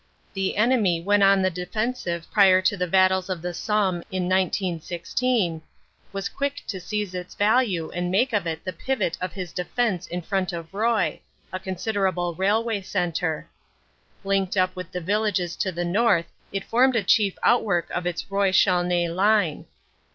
The enemy when on the defensive prior to the battles of the Somme in 1916, was quick to seize its value and made of it the pivot of his defense in front of Roye, a considerable railway centre. Linked up with the villages to the north it formed a chief out work of his Roye Chaulnes line.